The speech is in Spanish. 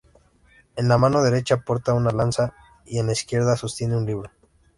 En la mano derecha porta una lanza y en la izquierda sostiene un libro.